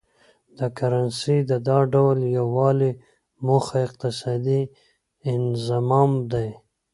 د کرنسۍ د دا ډول یو والي موخه اقتصادي انضمام دی.